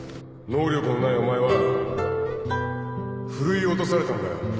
能力のないお前はふるい落とされたんだよ